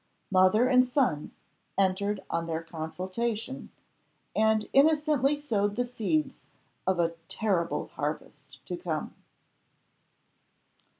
Mother and son entered on their consultation and innocently sowed the seeds of a terrible harvest to come.